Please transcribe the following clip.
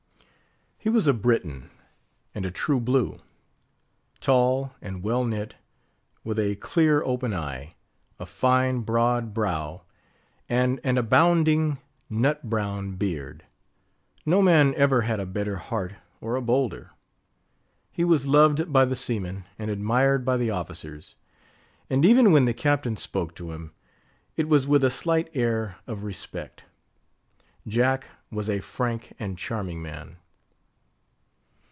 He was a Briton, and a true blue; tall and well knit, with a clear open eye, a fine broad brow, and an abounding nut brown beard. No man ever had a better heart or a bolder. He was loved by the seamen and admired by the officers; and even when the Captain spoke to him, it was with a slight air of respect. Jack was a frank and charming man.